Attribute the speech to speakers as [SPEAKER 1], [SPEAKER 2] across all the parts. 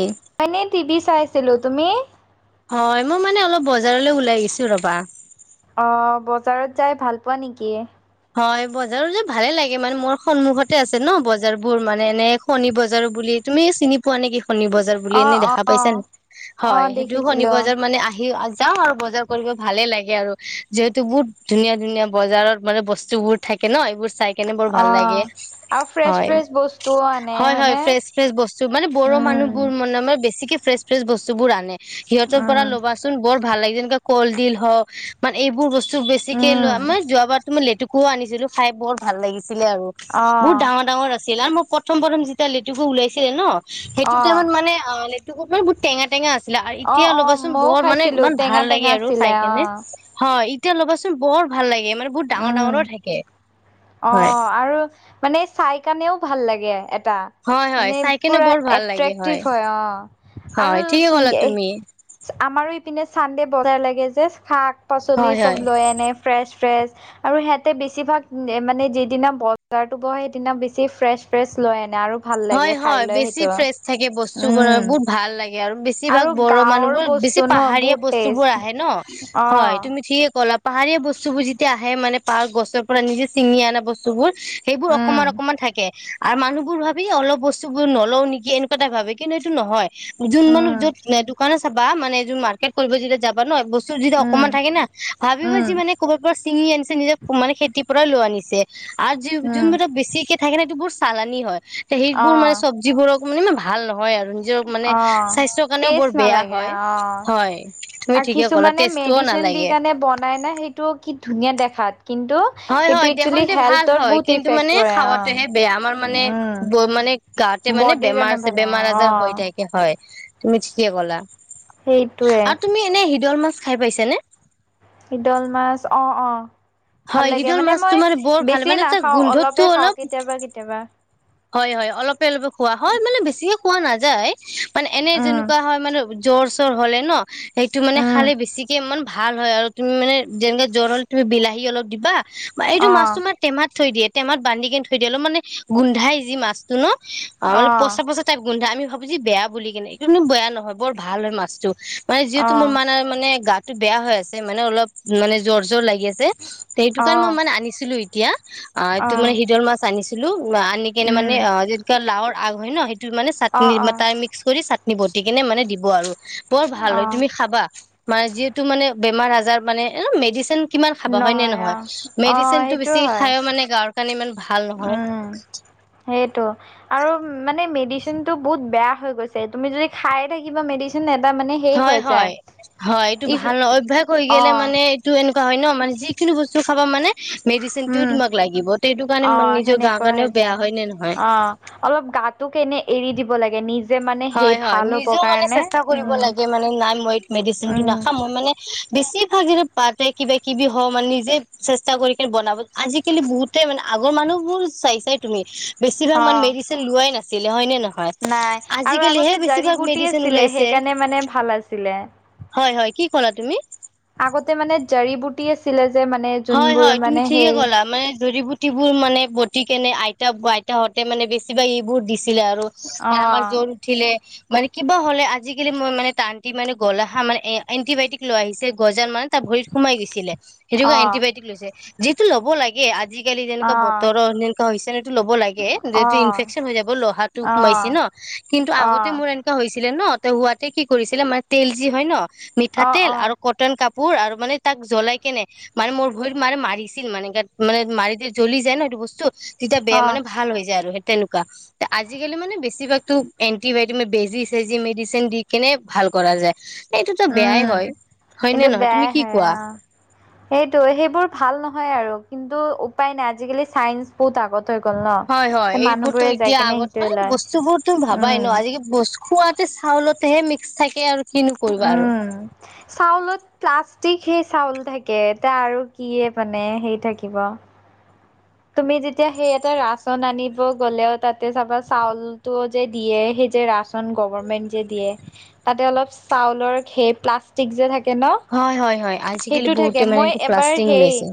[SPEAKER 1] উম।
[SPEAKER 2] এনেই টিভি চাই আছিলো তুমি।
[SPEAKER 1] হয় মই মানে অলপ বজাৰলৈ ওলাই আহিছোঁ ৰ'বা।
[SPEAKER 2] অ বজাৰত যাই ভাল পোৱা নেকি।
[SPEAKER 1] হয় বজাৰত যাই ভালে লাগে মানে মোৰ সন্মুখতে আছে ন বজাৰ বোৰ মানে নে। শনি বজাৰো বুলি তুমি চিনি পোৱা নেকি। শনি বজাৰ বুলি
[SPEAKER 2] অ
[SPEAKER 1] এনে
[SPEAKER 2] অ
[SPEAKER 1] দেখা
[SPEAKER 2] অ
[SPEAKER 1] পাইছা নেকি?
[SPEAKER 2] অ
[SPEAKER 1] হয় সেইটো শনি
[SPEAKER 2] দেখিছিলো
[SPEAKER 1] বজাৰ মানে আহি আজ যাওঁ আৰু বজাৰ কৰিব ভালে লাগে আৰু যিহেতু বহুত ধুনীয়া ধুনীয়া বজাৰত মানে বস্ বস্তুবোৰ থাকে ন, এইবোৰ চাই কেনে বৰ
[SPEAKER 2] অ
[SPEAKER 1] ভাল লাগে।
[SPEAKER 2] আৰু ফ্ৰেছ
[SPEAKER 1] হয়
[SPEAKER 2] ফ্ৰেছ বস্তুও আনে
[SPEAKER 1] হয় হয়
[SPEAKER 2] হয়নে
[SPEAKER 1] ফ্ৰেছ ফ্ৰেছ বস্তু মানে বড়ো
[SPEAKER 2] উম
[SPEAKER 1] মানুহবোৰ মান মে বেছিকে ফ্ৰেছ ফ্ৰেছ বস্তু বোৰ আনে সিহঁতৰ পৰা
[SPEAKER 2] উম
[SPEAKER 1] লবা চোন বৰ ভাল লাগে, যেনেকে কলডিল হওক মানে এইবোৰ বস্তু বেছিকে
[SPEAKER 2] উম
[SPEAKER 1] লোৱা মানে যোৱাবাৰটো মই লেত কু আনিছিলোঁ, খায় বৰ ভাল লাগিছিলে আৰু,
[SPEAKER 2] অ
[SPEAKER 1] বহুত ডাঙৰ ডাঙৰ আছিল আৰ মই পত প্ৰথম প্ৰথম যেতিয়া লেটেকু ওলাইছিলে ন সেইটো
[SPEAKER 2] অ
[SPEAKER 1] টাইমত মানে লেটেকো মান বহুত টেঙা টেঙা আছিলে, আৰু
[SPEAKER 2] অ
[SPEAKER 1] এতিয়া
[SPEAKER 2] অ
[SPEAKER 1] ল'বাচোন
[SPEAKER 2] মইও
[SPEAKER 1] বৰ মানে
[SPEAKER 2] খাইছিলো
[SPEAKER 1] ইমান
[SPEAKER 2] টেঙা
[SPEAKER 1] ভাল লাগে
[SPEAKER 2] টেঙা
[SPEAKER 1] আৰু
[SPEAKER 2] আছিলে
[SPEAKER 1] খায়
[SPEAKER 2] অ
[SPEAKER 1] কেনে। হয় এতিয়া ল'বাচোন বৰ ভাল লাগে মানে বহুত ডাঙৰ
[SPEAKER 2] উম
[SPEAKER 1] ডাঙৰ থাকে।
[SPEAKER 2] অ
[SPEAKER 1] হয়
[SPEAKER 2] আৰু মানে চাই কানেও ভাল লাগে এটা।
[SPEAKER 1] হয় হয়
[SPEAKER 2] মানে
[SPEAKER 1] চাই কেনে
[SPEAKER 2] পুৰা
[SPEAKER 1] বৰ ভাল লাগে
[SPEAKER 2] একট্ৰেক্টিভ হয় অ, আৰু
[SPEAKER 1] হয় ঠিকে ক'লা তুমি
[SPEAKER 2] [unintelligible] আমাৰো ইপিনে চান্দে বজাৰ লাগে যে শাক পাচলি
[SPEAKER 1] হয়
[SPEAKER 2] চব
[SPEAKER 1] হয়।
[SPEAKER 2] লৈ আনে। ফ্ৰেছ ফ্ৰেছ আৰু সিহঁতে বেছিভাগ মানে যিদিনা বজাৰতো বহে সেইদিনা বেছি ফ্ৰেছ ফ্ৰেছ লৈ আনে, আৰু ভাল
[SPEAKER 1] হয়
[SPEAKER 2] লাগে খাই
[SPEAKER 1] হয়
[SPEAKER 2] লৈ
[SPEAKER 1] বেছি
[SPEAKER 2] সেইটো
[SPEAKER 1] ফ্ৰেছ থাকে বস্তুবোৰ
[SPEAKER 2] উম
[SPEAKER 1] বহুত ভাল লাগে আৰু বেছি বেছিভাগ
[SPEAKER 2] আৰু
[SPEAKER 1] বড়ো
[SPEAKER 2] গাঁৱৰ
[SPEAKER 1] মানুহবোৰ, বেছি
[SPEAKER 2] বস্তু ন
[SPEAKER 1] পাহাৰীয়া
[SPEAKER 2] বহুত
[SPEAKER 1] বস্তু বোৰ
[SPEAKER 2] টেষ্ট
[SPEAKER 1] আহে ন
[SPEAKER 2] অ
[SPEAKER 1] হয় তুমি ঠিকে কলা পাহাৰীয়া বস্তুবোৰ যেতিয়া আহে মানে পাহাৰ গছৰ পৰা নিজে ছিঙি অনা বস্তুবোৰ সেইবোৰ
[SPEAKER 2] উম
[SPEAKER 1] অকমান অকণমান থাকে আৰু মানুহবোৰ ভ অলপ বস্তু বোৰ নলও নেকি এনেকুৱা এটা ভাবে কিন্তু এইটো নহয়, যোন মানুহ য'ত
[SPEAKER 2] উম
[SPEAKER 1] দোকান আছ চাবা মানেৰ মাৰ্কেট কৰিব যেতিয়া যাবা ন বস্তু যদি
[SPEAKER 2] উম
[SPEAKER 1] অকনমান থাকে না ভাবিবা যি
[SPEAKER 2] উম
[SPEAKER 1] মানে কবাৰ পৰা ছিঙি আনিছে নিজে মানে খেতিৰ পৰা লৈ আনিছে, আৰু
[SPEAKER 2] উম
[SPEAKER 1] যোনবোৰক বেছিকে থাকে ন সেইবোৰ চালানি হয়, তে
[SPEAKER 2] অ
[SPEAKER 1] সেইবোৰ মানে চব্জিবোৰক মানে ভাল নহয় আৰু নিজৰ মানে
[SPEAKER 2] অ
[SPEAKER 1] স্বাস্থ্যৰ কাৰণেও
[SPEAKER 2] টেষ্ট
[SPEAKER 1] বৰ বেয়া
[SPEAKER 2] নালাগে
[SPEAKER 1] হয়,
[SPEAKER 2] অ
[SPEAKER 1] হয়। তুমি
[SPEAKER 2] আৰু
[SPEAKER 1] ঠিকে ক'লা
[SPEAKER 2] কিছুমানে
[SPEAKER 1] টেষ্টটোও
[SPEAKER 2] মেডিচিন দি
[SPEAKER 1] নালাগে।
[SPEAKER 2] কাৰণে বনাই না সেই টো কি ধুনীয়া দেখাত কিন্তু
[SPEAKER 1] হয়
[SPEAKER 2] সেইটো
[SPEAKER 1] হয়
[SPEAKER 2] একচুৱেলি
[SPEAKER 1] দেখনতে ভাল
[SPEAKER 2] হেল্থৰ
[SPEAKER 1] হয়
[SPEAKER 2] বহুত
[SPEAKER 1] কিন্তু
[SPEAKER 2] ইফেক্ট
[SPEAKER 1] মানে
[SPEAKER 2] কৰে অ
[SPEAKER 1] খাৱাতহে বেয়া, আমাৰ মানে ব
[SPEAKER 2] উম
[SPEAKER 1] মানে গাঁৱতে মানে
[SPEAKER 2] বডিৰ
[SPEAKER 1] বেমাৰ
[SPEAKER 2] কাৰণে
[SPEAKER 1] আছে
[SPEAKER 2] ভালে
[SPEAKER 1] বেমাৰ
[SPEAKER 2] অ
[SPEAKER 1] আজাৰ হৈ থাকে হয় তুমি ঠিকে ক'লা,
[SPEAKER 2] সেইটোৱে
[SPEAKER 1] আৰু তুমি এনে সিদল মাছ খায় পাইছা নে?
[SPEAKER 2] সিদল মাছ অ অঁ। ভাল
[SPEAKER 1] হয়
[SPEAKER 2] লাগে
[SPEAKER 1] শিদল
[SPEAKER 2] মানে
[SPEAKER 1] মাছ
[SPEAKER 2] মই
[SPEAKER 1] তোমাৰ বৰ ভাল
[SPEAKER 2] বেছি
[SPEAKER 1] মানে তাৰ
[SPEAKER 2] নাখাও
[SPEAKER 1] গোন্ধতটো
[SPEAKER 2] অলপে খাওঁ
[SPEAKER 1] অলপ
[SPEAKER 2] কেতিয়াবা কেতিয়াবা।
[SPEAKER 1] হয় হয় অলপে অলপে খোৱা হয়, মানে বেছিকে খোৱা নাযায় মানে এনে
[SPEAKER 2] উম
[SPEAKER 1] যেনেকুৱা হয় মানে জ্বৰ চৰ হ'লে ন সেইটো মানে
[SPEAKER 2] উম
[SPEAKER 1] খালে বেছিকে ইমান ভাল হয়, আৰু তুমি মানে যেনেকে জ্বৰ হ'ল তুমি বিলাহী অলপ দিবা এইটো
[SPEAKER 2] অ
[SPEAKER 1] মাছটো মান টেমাত থৈ দিয়ে টেমাত বান্ধি কেনে থৈ দিয়ে, অলপ মানে গোন্ধাই যি মাছটো ন, অ মানে পচা পচা টাইপ গোন্ধায় আমি ভাবো যে বেয়া বুলি কিনে, কিন্তু বেয়া নহয় বৰ ভাল হয় মাছটো, মানে যিহেতু
[SPEAKER 2] অ
[SPEAKER 1] মোৰ মানে মানে গাটো বেয়া হৈ আছে মানে অলপ মানে জ্বৰ জ্বৰ লাগি আছে সেইটো
[SPEAKER 2] অ
[SPEAKER 1] কাৰণে মই মানে আনিছিলো এতিয়া আ
[SPEAKER 2] অ
[SPEAKER 1] এইটো মানে সিদল মাছ আনিছিলো, আনি নে
[SPEAKER 2] উম
[SPEAKER 1] মানে অ যেনেকোৱা লাওৰ আগ হয় ন সেইটো মানে
[SPEAKER 2] অ
[SPEAKER 1] চাটনি
[SPEAKER 2] অ
[SPEAKER 1] তাই মিক্স কৰি চাট নি বতি কেনে মানে দিব আৰু, বৰ ভাল
[SPEAKER 2] অ
[SPEAKER 1] হয় তুমি খাবা। মানে যিহেতু মানে বেমাৰ আজাৰ মানে এ মেডিচিন কিমান খাবা হয় নে
[SPEAKER 2] অ
[SPEAKER 1] নহয়?
[SPEAKER 2] অ
[SPEAKER 1] মেডিচিনটো
[SPEAKER 2] সেইটো
[SPEAKER 1] বেছি
[SPEAKER 2] হয়
[SPEAKER 1] খাইও মানে গাৰ কাৰণে ইমান ভাল নহয়।
[SPEAKER 2] উম সেইটো আৰু মানে মেডিচিনটো বহুত বেয়া হৈ গৈছে, তুমি যদি খাইয়ে থাকিবা মেডিচি যেন নেদা মানে হে।
[SPEAKER 1] হয় হয় হয় এইটো ভাল অভ্যাস হৈ
[SPEAKER 2] অ
[SPEAKER 1] গলে মানে। তো এনেকুৱা হয় ন মে যিনি বস্তু খাব মানে। মেডিচিনটোও
[SPEAKER 2] উম
[SPEAKER 1] তোমাক লাগিব সেইটো কাৰণে
[SPEAKER 2] অ
[SPEAKER 1] নিজৰ গা
[SPEAKER 2] সেনেকুৱা হৈ
[SPEAKER 1] কাৰণেও
[SPEAKER 2] যায়
[SPEAKER 1] বেয়া হয় নে নহয়।
[SPEAKER 2] অ অলপ গাটোক এনে এৰি দিব লাগে নিজ।
[SPEAKER 1] হয় হয় নিজেও মানে চেষ্টা কৰিব
[SPEAKER 2] উম
[SPEAKER 1] লাগে মানে নাই মই মেডিচিনটো
[SPEAKER 2] উম
[SPEAKER 1] নাখাম মই মানে। বেছি ভাগ এৰে পাতে কিবা কিবি হওঁ মানে নিজে চেষ্টা কৰি বনাব। আজিকালি বহুতেই মানে আগৰ মানুহ বোৰ চাই চাই তুমি। বেছিভাগ
[SPEAKER 2] অ
[SPEAKER 1] মানে মেডিচিন লোৱাই নাছিলে হয়নে নহয়।
[SPEAKER 2] নাই আৰু
[SPEAKER 1] আজিকালিহে
[SPEAKER 2] আগতে জাৰি
[SPEAKER 1] বেছিভাগ
[SPEAKER 2] বুটি
[SPEAKER 1] মেডিচিন
[SPEAKER 2] আছিলে
[SPEAKER 1] ওলাইছে
[SPEAKER 2] সেইকাৰণে মানে ভাল আছিলে।
[SPEAKER 1] হয় হয় কি কলা তুমি।
[SPEAKER 2] আগতে মানে জাৰি বুটি আছিলে যে মানে।
[SPEAKER 1] হয়
[SPEAKER 2] যোনবোৰ
[SPEAKER 1] হয় তুমি
[SPEAKER 2] মানে
[SPEAKER 1] ঠিকে
[SPEAKER 2] সেই
[SPEAKER 1] ক'লা মানে জৰিবুট। বুটিবোৰ মানে বতি কেনে আইতা আইতাহঁতে মানে বেছিভাগ এইবোৰ দিছিলে আৰু।
[SPEAKER 2] অ
[SPEAKER 1] আমাৰ জ্বৰ উঠিলে। মানে কিবা হ'লে আজিকালি মই মানে টানটি মানে গলেহে মানে এ এণ্টিবায়টিক লৈ আহিছে গজাল মান। টা ভৰিত সোমাই গৈছিলে সেইটো
[SPEAKER 2] অ
[SPEAKER 1] কাৰণে এণ্টিবায়টিক লৈছে যিটো ল'ব লাগে। গে আজিকালি
[SPEAKER 2] অ
[SPEAKER 1] যেনেকুৱা বতৰৰ যেনেকুৱা হৈছে ন এইটো ল'ব লাগে যিটো ইনফেকচন হৈ যাব লহাত। টো
[SPEAKER 2] অ
[SPEAKER 1] সোমাইছে ন কিন্তু
[SPEAKER 2] অ
[SPEAKER 1] আগতে
[SPEAKER 2] অ
[SPEAKER 1] মোৰ এন। হৈছিলে ন তে হোৱাতে কি কৰিছিলে মানে তেল যি হয় ন
[SPEAKER 2] অ',
[SPEAKER 1] মিঠাতেল
[SPEAKER 2] অ',
[SPEAKER 1] আৰু কট। কটন কাপোৰ আৰু মানে তাক জ্বলাই কেনে। মানে মোৰ ভৰিত মাৰে মাৰিছিল মানে গাত মানে মাৰি দি জ্বলি যায় ন সেইটো বস্তু। তেতিয়া বেয়া
[SPEAKER 2] অ',
[SPEAKER 1] মানে ভাল হৈ যায় আৰু সেই তেনেকোৱা। তে আজিকালি মানে বেছিভাগতো এন্টিবায়টিক মা বেজি চেজি মেডিচিন দি কেনে ভাল কৰা যায়। এইটোতো বেয়াই
[SPEAKER 2] উম,
[SPEAKER 1] হয় হয় নে
[SPEAKER 2] এইটো
[SPEAKER 1] নহয় তুমি
[SPEAKER 2] বেয়াই
[SPEAKER 1] কি
[SPEAKER 2] হয়
[SPEAKER 1] কোৱা।
[SPEAKER 2] অ'। সেইটো সেইবোৰ ভাল নহয় আৰু কিন্তু উপায় নাই আজিকালি চাইন্স বহুত আগত। হৈ গল ন।
[SPEAKER 1] হয় হয় এইবোৰতো
[SPEAKER 2] মানুহবোৰে যাই
[SPEAKER 1] এতিয়া
[SPEAKER 2] কেনে
[SPEAKER 1] আগত
[SPEAKER 2] সেইটোৱে
[SPEAKER 1] মানে
[SPEAKER 2] লয়
[SPEAKER 1] বস্তু বোৰ তো ভাবাই
[SPEAKER 2] উম,
[SPEAKER 1] ন আজি। বস খোৱাতে চাউলতেহে মিক্স থাকে আৰু কিনুকৰিবা আৰু।
[SPEAKER 2] উম। চাউলত প্লাষ্টিক সেই চাউল থাকে এতিয়া আৰু কিয়ে মানে সেই থাকিব। তুমি যেতিয়া সেই এটা ৰাচন আনিব গ'লেও তাতে চাবা চাউলতটোও যে দিয়ে সেই যে ৰাচ। গভানে যে দিয়ে তাতে অলপ চাউলৰ প্লাষ্টিক যে থাকে ন।
[SPEAKER 1] হয় হয় হয়। আজিকালি
[SPEAKER 2] সেইটো থাকে
[SPEAKER 1] বহুতে মানে
[SPEAKER 2] মই এবাৰ
[SPEAKER 1] প্লাষ্টিং
[SPEAKER 2] সেই
[SPEAKER 1] ওলাইছে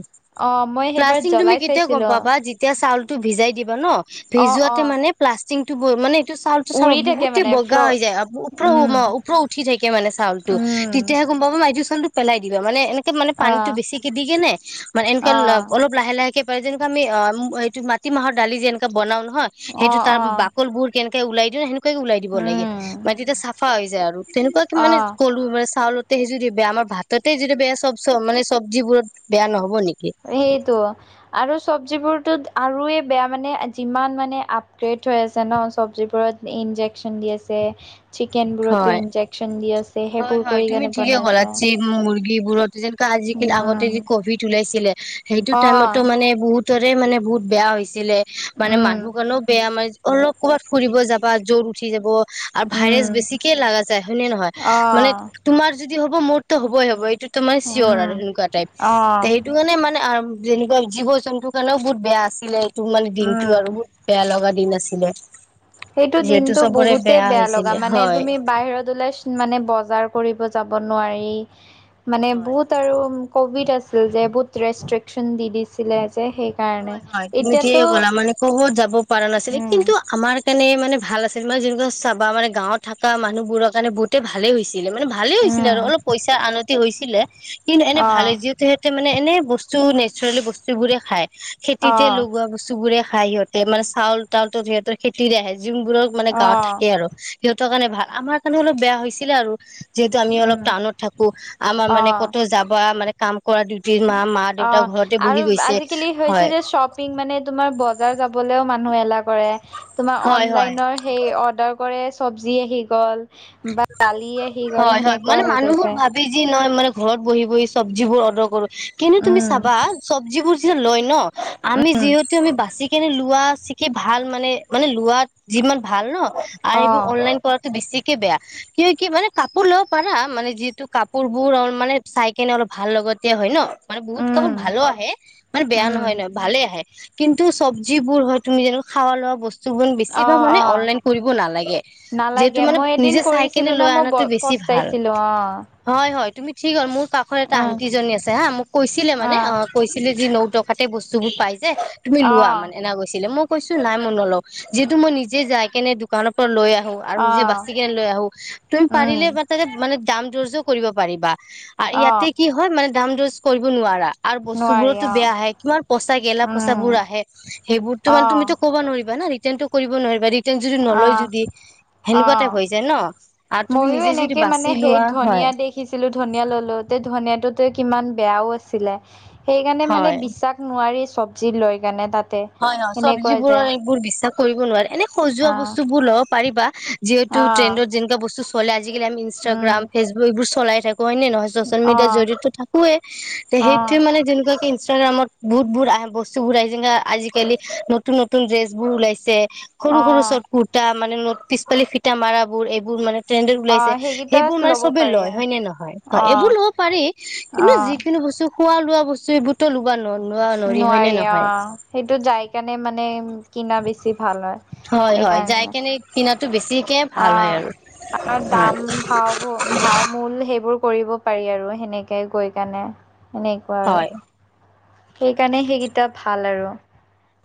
[SPEAKER 2] অ মই সেইবাৰ
[SPEAKER 1] প্লাষ্টিং তুমি
[SPEAKER 2] জ্বলাই
[SPEAKER 1] কেতিয়া গম
[SPEAKER 2] চাইছিলো
[SPEAKER 1] পাবা এতিয়া চাউলতটো ভিজাই দিবা ন
[SPEAKER 2] অ অ
[SPEAKER 1] ভিজোৱাতে মানে প্লাষ্টিক টো ব মানে। চাউল টো চাব
[SPEAKER 2] উৰি থাকে
[SPEAKER 1] বহুতে
[SPEAKER 2] মানে ফ্ল
[SPEAKER 1] বগা হৈ যায় ওপৰ
[SPEAKER 2] উম
[SPEAKER 1] ওপৰ উঠি থাকে মানে চউ টো
[SPEAKER 2] উম
[SPEAKER 1] তেতিয়া। গম পাব এইটো চটো পেলাই দিবা মানে এনেকে মানে
[SPEAKER 2] অ
[SPEAKER 1] পানত বেছিকে দিকেনে মানে এনকে
[SPEAKER 2] অ
[SPEAKER 1] লা অলপ। লাহে লাহেকে পাৰে যেনেকুৱ আমি অ উ এইটো মাটি মাহৰ দালি যেনেকুৱা বনাও নহয়।
[SPEAKER 2] অ
[SPEAKER 1] সেইটো তাৰ
[SPEAKER 2] অ
[SPEAKER 1] বাকল বোৰ কেনেকে ওলাই দিয়া ন সেনেকুৱাকে ওলাই দিব লাগে
[SPEAKER 2] উম
[SPEAKER 1] মানে তেতিয়া চাফা হৈ যায় আৰু। তেনেকুৱাক কি
[SPEAKER 2] অ
[SPEAKER 1] মানে ক'লো চাউলতে সি আমাৰ ভাততেই যিটো বেয়া চব চ মানে চব্জিবোৰত বেয়া নহব নেকি।
[SPEAKER 2] সেইটো অ। আৰু চব্জিবোৰতত আৰুৱে বেয়া মানে যিমান মানে আপগ্ৰেড হৈ আছে ন চবজিবোৰত। ইঞ্জেকশ্যন দি আছে। চিকেন
[SPEAKER 1] হয়
[SPEAKER 2] বোৰতো ইন্জেকচন দি আছে সেইবোৰ কৰি কেনে বনাইছা
[SPEAKER 1] মুৰ্গী বোৰত যেনেকোৱা আজিকালি আগতে যি কভিড ওলাইছিলে সেইটো
[SPEAKER 2] অ
[SPEAKER 1] টাইমতো মানে বহুত তৰে মানে বহুত বেয়া হৈছিলে মানে
[SPEAKER 2] উম
[SPEAKER 1] মানুহ কাৰনো বেয়া মই অলপ ক'ৰবাত ফুৰিব যাবা জ্বৰ উঠি যাব আৰু ভাইৰেছ
[SPEAKER 2] উম
[SPEAKER 1] বেছি ঠিকে লাগা যায় হয়নে নহয়
[SPEAKER 2] অ
[SPEAKER 1] মানে তোমাৰ যদি হ'ব মোৰতো হ'বই হ'ব এইটো তোমাৰ চিয়ৰ আৰু
[SPEAKER 2] উম
[SPEAKER 1] সেকুৱা টাইপ
[SPEAKER 2] অ',
[SPEAKER 1] সেই সেইটো কাৰণে মানে যেনেকুৱা জীৱ জন্তুৰ কাৰণেও বহুত বেয়া আছিলে তোৰ মানে দিনটো
[SPEAKER 2] উম।
[SPEAKER 1] আৰু বহুত বেয়া লগা দিন আছিলে
[SPEAKER 2] সেইটো
[SPEAKER 1] যিহেতু
[SPEAKER 2] দিনটো
[SPEAKER 1] চবৰে
[SPEAKER 2] বহুতে বেয়া লগা
[SPEAKER 1] হৈছিলে
[SPEAKER 2] মানে
[SPEAKER 1] হয়
[SPEAKER 2] তুমি বাহিৰত ওলাই মানে বজাৰ কৰিব যাব নোৱাৰি মানে
[SPEAKER 1] হয়
[SPEAKER 2] বহুত আৰু ক'ভিড আছিল যে বহুত ৰেষ্ট্ৰিক্যন দি দিছিলে যে সেই
[SPEAKER 1] হয় হয় তুমি বনাব ক'লা মানে কত যাব পৰা নাছিলে
[SPEAKER 2] উম,
[SPEAKER 1] কিন্তু আমাৰ সেইণে মানে ভাল আছিল মানে যেনেকুৱা চাবা মানে গাঁৱত থকা মানুহবোৰৰ কাৰণে বহুতে ভালেই হৈছে ছিলে মানে ভালে হৈছিলে আৰু
[SPEAKER 2] উম,
[SPEAKER 1] অলপ পইচা আনতি হৈছিলে কিন্তু এনে ভালে
[SPEAKER 2] অ',
[SPEAKER 1] যি সিহঁতে মানে এনে বস্তু নেচাৰেলি বস্তু বোৰে খায় খেতিতে
[SPEAKER 2] অ',
[SPEAKER 1] লগোৱা বস্তু বোৰে খাই সিহঁত সে মানে চাউল তাউল সিহতৰ খেতিৰে আহে যোনবোৰৰ মানে গাঁৱত
[SPEAKER 2] অ',
[SPEAKER 1] থাকে আৰু সিহঁতৰ কাৰণে ভাল আমাৰ কাৰণে অলপ বেয়া হৈছিলে আৰু যিহেতু আমি অলপ
[SPEAKER 2] উম,
[SPEAKER 1] টাউনত থাকো আমাৰ মানে
[SPEAKER 2] অ'।
[SPEAKER 1] ক'ত যাবা মানে কাম কৰা মা মা
[SPEAKER 2] অ
[SPEAKER 1] দেউতা ঘৰতে বহি
[SPEAKER 2] আৰু
[SPEAKER 1] গৈছে
[SPEAKER 2] [unintelligible] সেই অৰ্ডাৰ
[SPEAKER 1] হয় হয় হয়
[SPEAKER 2] কৰে চব্জি আহি গ'ল বা দালি আহি গ'ল সেনেকুৱা হৈ গৈছে
[SPEAKER 1] বাজি নয় মানে ঘৰত বহি বহি চব্জিবোৰ অৰ্ডাৰ কৰো কিন্তু তুমি
[SPEAKER 2] উম
[SPEAKER 1] চাবা চব্জিবোৰ যি লয় ন আমি
[SPEAKER 2] উম
[SPEAKER 1] যিহেতু আমি বাচি নে লোৱা চিকি ভাল মানে মানে লোৱা যিমান ভাল ন আৰু
[SPEAKER 2] অ
[SPEAKER 1] সেইবোৰ অনলাইন কৰাটো বেছিকে বেয়া কি কি মানে কাপোৰ লব পাৰা মানে যিটো কাপোৰ বোৰ অ মানে চাই কেনে অলপ ভাল লগতীয়া হয় ন মানে বহুত কামত
[SPEAKER 2] উম
[SPEAKER 1] ভালো আহে মানে বেয়া
[SPEAKER 2] উম
[SPEAKER 1] নহয় নহয় ভালে আহে কিন্তু চব্জিবোৰ হয় তুমি যেনে খাৱা লোৱা বস্তু
[SPEAKER 2] অ
[SPEAKER 1] বেছিভাগ মানে
[SPEAKER 2] অ
[SPEAKER 1] অনলাইন কৰিব নালাগে যিহেতু
[SPEAKER 2] নালাগে
[SPEAKER 1] মানে
[SPEAKER 2] মই এদিন
[SPEAKER 1] নিজে চাই কেনে
[SPEAKER 2] কৰিছিলো না
[SPEAKER 1] লৈ
[SPEAKER 2] মই
[SPEAKER 1] অনাটো বেছি ভাল
[SPEAKER 2] পস্তাইছিলো অ
[SPEAKER 1] হয় হয় তুমি ঠিক হ মোৰ কাষৰ এটা
[SPEAKER 2] অ
[SPEAKER 1] আন্টিজনী আছে হা মোক কৈছিলে মানে অ কৈছিলে যে ন টকাতে বস্তু বোৰ পাই যে তুমি
[SPEAKER 2] অ
[SPEAKER 1] লোৱা মানে এনা গৈছিলে মোক কৈছো নাই মই নলও যিহেতু মই নিজে যাই কেনে দোকানৰ পৰা লৈ আহো আৰু
[SPEAKER 2] অ
[SPEAKER 1] নিজে বা লৈ আহো তুমি
[SPEAKER 2] উম
[SPEAKER 1] পাৰিলে তাক মানে দাম জৰ্জ কৰিব পাৰিবা আৰু
[SPEAKER 2] অ
[SPEAKER 1] ইয়াতে কি হয় মানে দাম দচ কৰিব নোৱাৰা আৰু বস্তু
[SPEAKER 2] নোৱাৰি
[SPEAKER 1] বোৰতো
[SPEAKER 2] অ
[SPEAKER 1] বেয়া আহে কিমান পইচা গেলা
[SPEAKER 2] উম
[SPEAKER 1] পইচাবোৰ আহে সেইবোৰতো মানে
[SPEAKER 2] অ
[SPEAKER 1] তুমিতো ক'ব নোৱাৰিবা না ৰিটাৰ্ণটো কৰিব নোৱাৰিবা ৰিটাৰ্ণ যদি
[SPEAKER 2] অ
[SPEAKER 1] নলয় যদি সেনেকুৱা
[SPEAKER 2] অ
[SPEAKER 1] হৈ যায় ন আৰু তুমি নিজে যদি বাচি লোৱা হয়
[SPEAKER 2] দেখিছিলো ধনিয় ললো তে ধনিয়টোত কিমান বেয়াও আছিলে, সেইকাৰণে মানে
[SPEAKER 1] হয়
[SPEAKER 2] বিশ্বাস নোৱাৰি চব্জি লৈকেনে তাত।
[SPEAKER 1] হয়, হয়। চব্জিবোৰৰ এইবোৰ বিশ্বাস- কৰিব নোৱাৰি। এনে সজোৱা
[SPEAKER 2] অ
[SPEAKER 1] বস্তুবোৰ ল'ব পাৰিবা, যিহেতু
[SPEAKER 2] অ
[SPEAKER 1] ট্ৰেণ্ডত যেনেকা বস্তু চলে। আজিকালি আমি-
[SPEAKER 2] উম
[SPEAKER 1] ইনষ্টাগ্ৰাম ফেচবুক এইবোৰ চলাই থাক কয় নে নহয়, চচিয়েল
[SPEAKER 2] অ
[SPEAKER 1] মিডিয়াত জৰিয়তো থাকোৱে,
[SPEAKER 2] অ
[SPEAKER 1] সেইটোয়ে মানে, যেনেকোৱাকে ইনষ্টাগ্ৰামত বহুত, বহুত আহে বস্তুবোৰ আহে যেনেকে, আজিকালি নতুন, নতুন ড্ৰেছবোৰ ওলাইছে। সৰু
[SPEAKER 2] অ
[SPEAKER 1] সৰু চৰ্ত কুৰ্তা মানে ন পিছ পালি ফিটা মাৰ বোৰ এইবোৰ মানে ট্ৰেণ্ডত
[SPEAKER 2] অ
[SPEAKER 1] ওলাইছে।
[SPEAKER 2] সেইকেইটা
[SPEAKER 1] সেইবোৰ মানে
[SPEAKER 2] ল'ব
[SPEAKER 1] চবে
[SPEAKER 2] পাৰি
[SPEAKER 1] লয়, হয় নে নহয়? হয়,
[SPEAKER 2] অ
[SPEAKER 1] এইবোৰ ল'ব পাৰি,
[SPEAKER 2] অ
[SPEAKER 1] কিন্তু যিখিনি বস্তু খোৱা লোৱা বস্তু এইবোৰতো লোৱা ন লোৱা নৰি হয় নে
[SPEAKER 2] নোৱাৰি অ
[SPEAKER 1] নহয়?
[SPEAKER 2] সেইটো যাই কাৰণে মানে কিনা বেছি ভাল হয়।
[SPEAKER 1] হয়, হয়,
[SPEAKER 2] সেইকাৰণে
[SPEAKER 1] যায় কেনে, কিনাটো বেছিকে
[SPEAKER 2] অ
[SPEAKER 1] ভাল হয় আৰু
[SPEAKER 2] আৰু দাম ভাও ভাও মূল সেইবোৰ কৰিব পাৰি আৰু সেনেকে গৈ কাৰনে সেনেকুৱা আৰু
[SPEAKER 1] হয়
[SPEAKER 2] সেইকাৰণে সেইকেইটা ভাল আৰু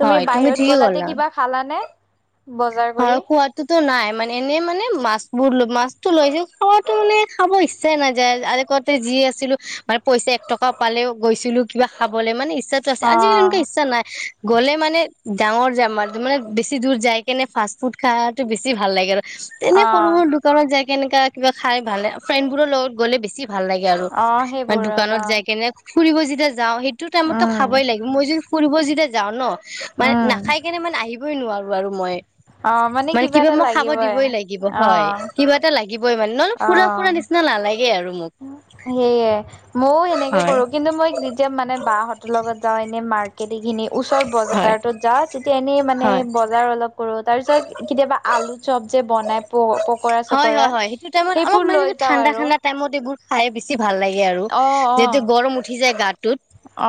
[SPEAKER 2] তুমি
[SPEAKER 1] হয়
[SPEAKER 2] বাহিৰত
[SPEAKER 1] ঠিকে
[SPEAKER 2] গলাতে
[SPEAKER 1] ক'লা।
[SPEAKER 2] কিবা খালানে? বজাৰ কৰি
[SPEAKER 1] হয়, সোৱাদ। তো নাই মানে, এনেই মানে, মাছবোৰ মাছতো লৈ যে খোৱাটো মানে, খাব ইচ্ছাই নাযায়, আৰে ক'ত যি আছিলো মানে পইচা এক টকা পালেও গৈছিলো কিবা খাবলৈ। মানে ইচ্ছা-
[SPEAKER 2] অ
[SPEAKER 1] আজিকালি এনেকে ইচ্ছা নাই, গ'লে মানে ডাঙৰ যাৰ মানে বেছি দূৰ যায়। কেনে ফাষ্ট ফুড খাইটো বেছি ভাল লাগে আৰু তেনে
[SPEAKER 2] অ
[SPEAKER 1] সৰু সৰু দুখ- ত [unintelligible] যায় কেনেকা কিবা, খাই ভাল ফ্ৰেণ্ডবোৰৰ লগত গ'লে বেছি ভাল লাগে। আৰু
[SPEAKER 2] অ
[SPEAKER 1] মানে
[SPEAKER 2] সেইবোৰত
[SPEAKER 1] দোকানত
[SPEAKER 2] অ
[SPEAKER 1] যাই কেনে ফুৰিব যেতিয়া যাওঁ, সেইটো টাইমতো খাবই
[SPEAKER 2] উম
[SPEAKER 1] লাগিব। মই যদি ফুৰিব যেতিয়া যাওঁ ন মানে
[SPEAKER 2] উম
[SPEAKER 1] নাখাই- এনে মানে, আহিবই নোৱাৰোঁ আৰু মই,
[SPEAKER 2] অ
[SPEAKER 1] মানে কিবা
[SPEAKER 2] এটা
[SPEAKER 1] মই খাব
[SPEAKER 2] লাগিবই
[SPEAKER 1] দিবই লাগিব,
[SPEAKER 2] অ
[SPEAKER 1] হয় কিবা এ লাগিবই মানে ন। ফুৰা, ফুৰা
[SPEAKER 2] অ
[SPEAKER 1] নিচিনা নালাগে আৰু মোক।
[SPEAKER 2] সেয়ে মইও সেনেকে
[SPEAKER 1] হয়
[SPEAKER 2] কৰো, কি কিন্তু মই যেতিয়া মানে বাহঁতৰ লগত যাওঁ, এনেই মাৰ্ক- [unintelligible] খিনি ওচৰত
[SPEAKER 1] হয়
[SPEAKER 2] বজাৰটোত যা তেতিয়া এনেই মানে
[SPEAKER 1] হয়
[SPEAKER 2] বজাৰ অলপ কৰোঁ, তাৰপিছত কেতিয়াবা আলু চপ যে বনাই প পকৰা
[SPEAKER 1] হয় হয়
[SPEAKER 2] চকৰা
[SPEAKER 1] হয় সেইটো টাইমত অলপ
[SPEAKER 2] সেইবোৰ
[SPEAKER 1] মানে
[SPEAKER 2] লৈ যাওঁ
[SPEAKER 1] ঠাণ্ডা
[SPEAKER 2] আৰু।
[SPEAKER 1] ঠাণ্ডা টাইমত এইবোৰ - খাই বেছি ভাল লাগে আৰু
[SPEAKER 2] অ অ
[SPEAKER 1] যিহেতু গৰম উঠি যায়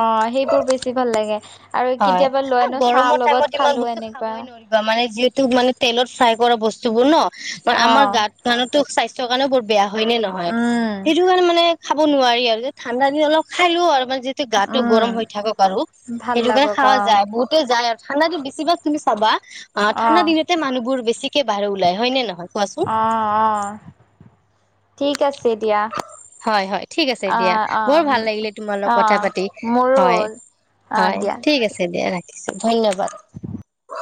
[SPEAKER 2] অ সেইবোৰ বেছি ভাল লাগে আৰু
[SPEAKER 1] হয়
[SPEAKER 2] কেতিয়াবা
[SPEAKER 1] আৰু
[SPEAKER 2] লৈনো চাহ
[SPEAKER 1] গৰমৰ টাইমত
[SPEAKER 2] লগত
[SPEAKER 1] ইমান
[SPEAKER 2] খালো
[SPEAKER 1] বস্তু
[SPEAKER 2] এনেকুৱা।
[SPEAKER 1] খাবই নোৱাৰিবা মানে যিহেতু মানে তেলত ফ্ৰাই কৰা বস্তু বোৰ ন, মান
[SPEAKER 2] অ
[SPEAKER 1] আমাৰ গাত মানুহো স্বাস্থ্য - [unintelligible] কাৰনো বহুত বেয়া, হয় নে নহয়,
[SPEAKER 2] উম
[SPEAKER 1] সেইটো কাৰণে মানে খাব নোৱাৰি আৰু ঠাণ্ডা দিন অলপ খালোঁ আৰু মানে যিটো গাটো
[SPEAKER 2] উম
[SPEAKER 1] গৰম হৈ থাকক আৰু।
[SPEAKER 2] ভাল
[SPEAKER 1] সেইটো কাৰণে
[SPEAKER 2] লাগক
[SPEAKER 1] খাৱা
[SPEAKER 2] অ
[SPEAKER 1] যায় বহুতে যায় আৰু ঠাণ্ডা দিন বেছিভাগ তুমি চাবা অ ঠাণ্ডা দিনত তে মানুহবোৰ বেছিকে বাহিৰত ওলায় হয় নহয় কোৱাচোন।
[SPEAKER 2] অ', অ' ঠিক আছে দিয়া।
[SPEAKER 1] হয় হয় ঠিক আছে দিয়া
[SPEAKER 2] অ',
[SPEAKER 1] বৰ ভাল
[SPEAKER 2] অ',
[SPEAKER 1] লাগিলে তোমাৰ লগত কথা
[SPEAKER 2] অ'
[SPEAKER 1] পাতি
[SPEAKER 2] মোৰো
[SPEAKER 1] হয়
[SPEAKER 2] অ',
[SPEAKER 1] হয়
[SPEAKER 2] দি
[SPEAKER 1] ঠিক আছে দিয়া ৰাখিছো, ধন্যবাদ।